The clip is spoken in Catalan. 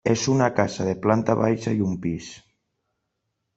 És una casa de planta baixa i un pis.